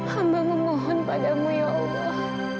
hamba memohon padamu ya allah